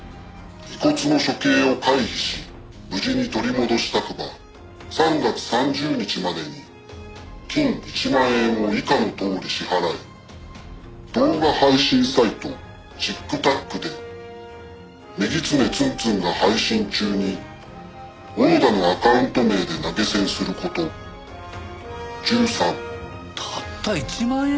「遺骨の処刑を回避し無事に取り戻したくば三月三十日までに金壱萬圓を以下のとおり支払え」「動画配信サイトＣｉｋＴａｋで“女狐つんつん”が配信中に“小野田”のアカウント名で投げ銭すること」「１３」たった１万円！？